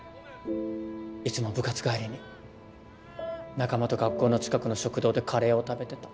いつも部活帰りに仲間と学校の近くの食堂でカレーを食べてた。